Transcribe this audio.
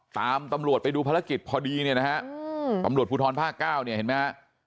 ตำรวจไปดูภารกิจพอดีเนี่ยนะฮะตำรวจภูทรภาคเก้าเนี่ยเห็นไหมฮะ